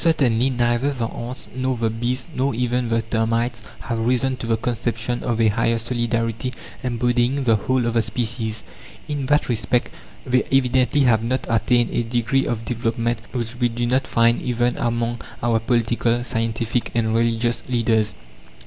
Certainly, neither the ants, nor the bees, nor even the termites, have risen to the conception of a higher solidarity embodying the whole of the species. In that respect they evidently have not attained a degree of development which we do not find even among our political, scientific, and religious leaders.